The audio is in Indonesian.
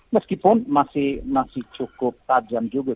meskipun masih cukup tajam juga